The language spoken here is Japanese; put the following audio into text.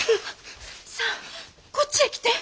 さあこっちへ来て！